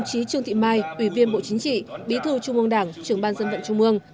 chí trương thị mai ủy viên bộ chính trị bí thư trung mương đảng trường ban dân vận trung mương